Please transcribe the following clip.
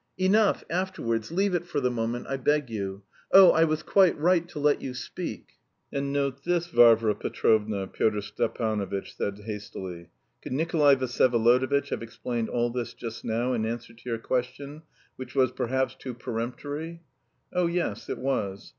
"Enough, afterwards, leave it for the moment I beg you. Oh, I was quite right to let you speak!" "And note this, Varvara Petrovna," Pyotr Stepanovitch said hastily. "Could Nikolay Vsyevolodovitch have explained all this just now in answer to your question, which was perhaps too peremptory?" "Oh, yes, it was."